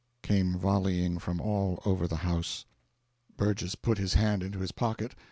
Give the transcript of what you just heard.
came volleying from all over the house. Burgess put his hand into his pocket.